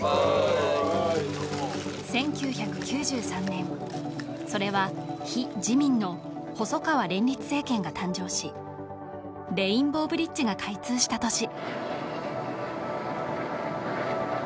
１９９３年それは非自民の細川連立政権が誕生しレインボーブリッジが開通した年